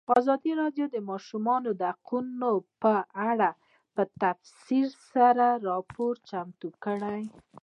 ازادي راډیو د د ماشومانو حقونه په اړه تفصیلي راپور چمتو کړی.